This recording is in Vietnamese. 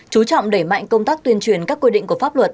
chú trọng đẩy mạnh công tác tuyên truyền các quy định của pháp luật